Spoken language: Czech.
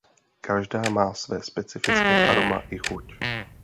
Každá má své specifické aroma i chuť.